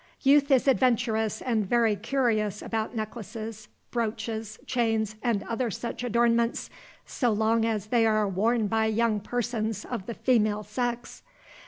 Youth is adventurous and very curious about necklaces, brooches, chains, and other such adornments, so long as they are worn by young persons of the female sex.